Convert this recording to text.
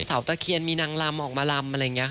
ตะเคียนมีนางลำออกมาลำอะไรอย่างนี้ค่ะ